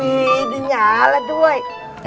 ih dinyala tuh woy